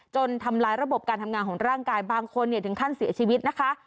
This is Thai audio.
ทำลายระบบการทำงานของร่างกายบางคนถึงขั้นเสียชีวิตนะคะ